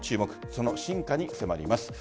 その進化に迫ります。